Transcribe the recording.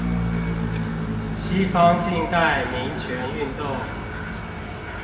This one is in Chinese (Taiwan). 西方近代民權運動